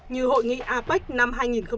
như hội nghị apec năm hai nghìn sáu